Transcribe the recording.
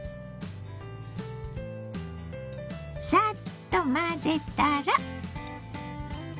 サッと混ぜたら。